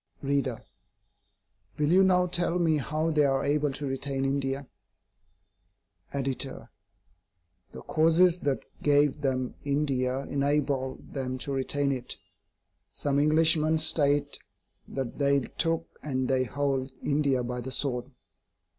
READER: Will you now tell me how they are able to retain India? EDITOR: The causes that gave them India enable them to retain it. Some Englishmen state that they took, and they hold, India by the sword.